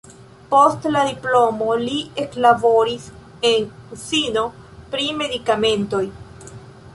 Post la diplomo li eklaboris en uzino pri medikamentoj.